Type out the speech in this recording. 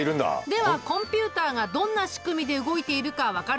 ではコンピュータがどんな仕組みで動いているか分かるかな？